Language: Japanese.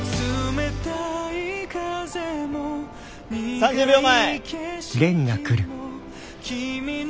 ３０秒前！